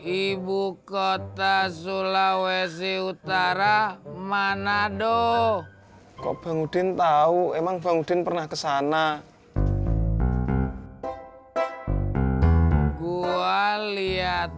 ibu kota sulawesi utara mana doh kok bangudin tahu emang bangudin pernah ke sana gua lihat